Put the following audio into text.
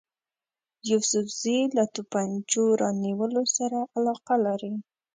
یوسفزي له توپنچو رانیولو سره علاقه لري.